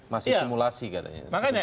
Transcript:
masih simulasi katanya